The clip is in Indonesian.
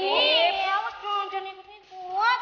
iya waduh jangan yang ini buat